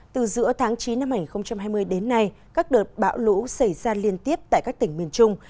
từ giữa tháng chín năm hai nghìn hai mươi đến nay các đợt bão lũ xảy ra liên tiếp tại các tỉnh miền trung